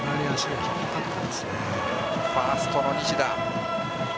ファーストの西田。